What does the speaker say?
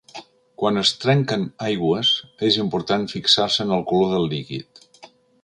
Quan es trenquen aigües és important fixar-se en el color del líquid.